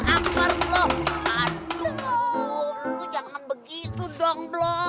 jangan begitu dong